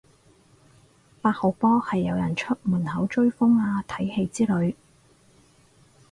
八號波係有人出門口追風啊睇戲之類